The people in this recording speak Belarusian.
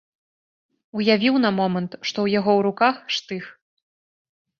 Уявіў на момант, што ў яго ў руках штых.